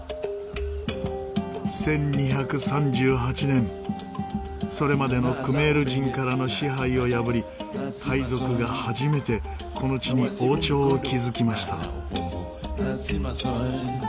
１２３８年それまでのクメール人からの支配を破りタイ族が初めてこの地に王朝を築きました。